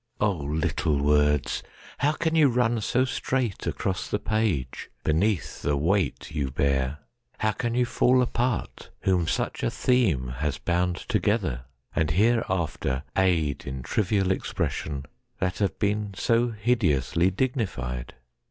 O little words, how can you run so straightAcross the page, beneath the weight you bear? How can you fall apart, whom such a themeHas bound together, and hereafter aidIn trivial expression, that have beenSo hideously dignified?